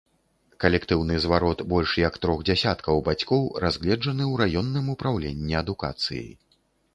Калектыўны зварот больш як трох дзясяткаў бацькоў разгледжаны ў раённым упраўленні адукацыі.